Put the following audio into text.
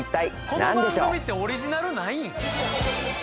この番組ってオリジナルないん？